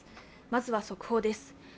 まずは速報です。